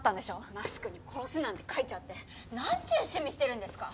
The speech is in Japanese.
マスクに「殺す」なんて書いちゃってなんちゅう趣味してるんですか？